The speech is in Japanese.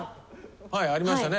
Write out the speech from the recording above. はいありましたね。